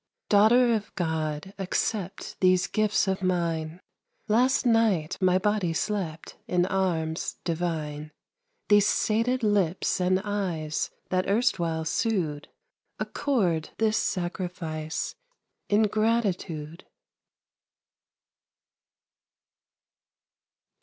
Daughter of God, accept These gifts of mine! Last night my body slept In arms divine. These sated lips and eyes That erstwhile sued, Accord this sacrifice In gratitude.